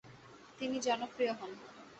তিনি জনপ্রিয় হন।